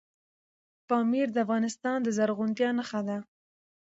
پامیر د افغانستان د زرغونتیا نښه ده.